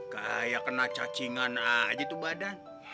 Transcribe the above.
kayak kena cacingan aja tuh badan